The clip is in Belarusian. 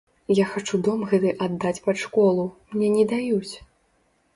Я хачу дом гэты аддаць пад школу, мне не даюць!